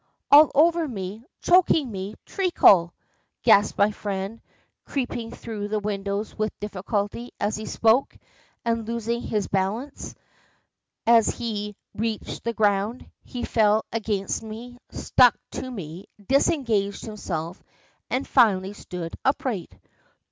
all over me choking me Treacle!" gasped my friend, creeping through the window, with difficulty, as he spoke, and losing his balance, as he reached the ground, he fell against me, stuck to me, disengaged himself, and finally stood upright.